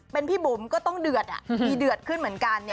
เป็นพี่บุ๋มก็ต้องเดือดมีเดือดขึ้นเหมือนกัน